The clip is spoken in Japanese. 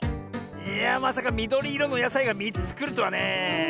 いやまさかみどりいろのやさいが３つくるとはねえ。